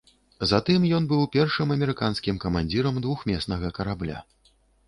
Затым ён быў першым амерыканскім камандзірам двухмеснага карабля.